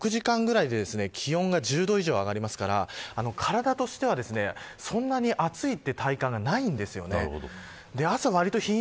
これだけ６時間ぐらいで気温が１０度くらい上がりますから体としてはそんなに暑いという体感がないんです。